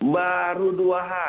baru dua hari